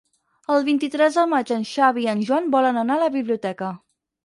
El vint-i-tres de maig en Xavi i en Joan volen anar a la biblioteca.